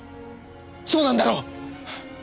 そうなんだろ？